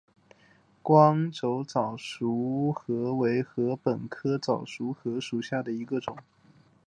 光轴早熟禾为禾本科早熟禾属下的一个种。